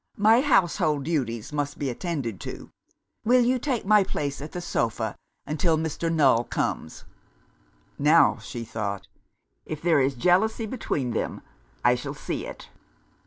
My household duties must be attended to. Will you take my place at the sofa, until Mr. Null comes?" ("Now," she thought, "if there is jealousy between them, I shall see it!")